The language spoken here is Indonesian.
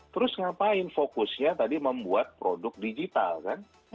terus ngapain fokusnya tadi membuat produk digital kan